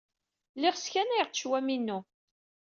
Lliɣ sskanayeɣ-d ccwami-inu.